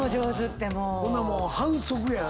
ほんなんもう反則やな。